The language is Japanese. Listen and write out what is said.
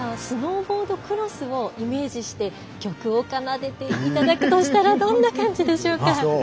スノーボードクロスをイメージして曲を奏でていただくとしたらどんな感じでしょうか？